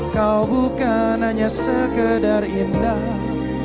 kau bukan hanya sekedar indah